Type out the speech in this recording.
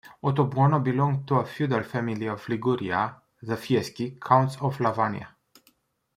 Ottobuono belonged to a feudal family of Liguria, the Fieschi, Counts of Lavagna.